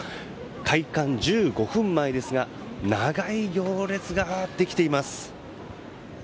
開館１５分前ですが長い行列ができています。